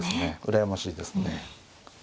羨ましいですね。